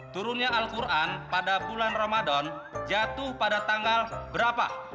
turunnya al quran pada bulan ramadan jatuh pada tanggal berapa